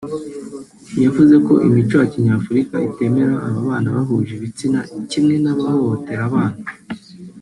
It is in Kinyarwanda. yavuze ko imico ya kinyafurika itemera ababana bahuje ibitsina kimwe n’abahohotera abana